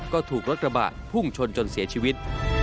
ก็ถูกรถกระบะพุ่งชนจนเสียชีวิต